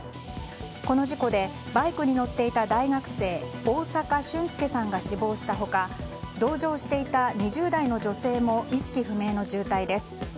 この事故でバイクに乗っていた大学生大坂駿介さんが死亡した他同乗していた２０代の女性も意識不明の重体です。